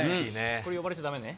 これ、呼ばれちゃだめね。